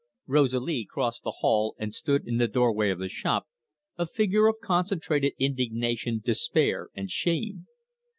Rosalie crossed the hall and stood in the doorway of the shop, a figure of concentrated indignation, despair, and shame.